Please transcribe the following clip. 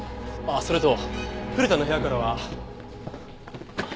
ああそれと古田の部屋からは。